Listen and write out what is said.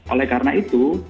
oleh karena itu